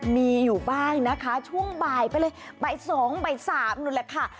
มีอยู่บ้างนะคะช่วงบ่ายไปเลยบ่าย๒บ่าย๓นู้นแหละค่ะ